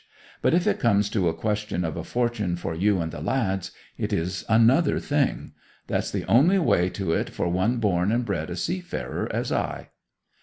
But if it comes to a question of a fortune for you and the lads, it is another thing. That's the only way to it for one born and bred a seafarer as I.